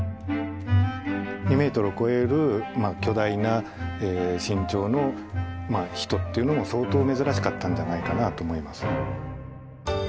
２メートルを超える巨大な身長の人っていうのも相当珍しかったんじゃないかなと思います。